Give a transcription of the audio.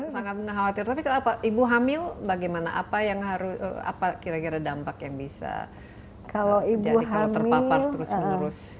sangat mengkhawatir tapi ibu hamil bagaimana apa kira kira dampak yang bisa jadi kalau terpapar terus menerus